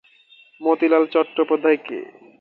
Motilal Chattopadhyay কে?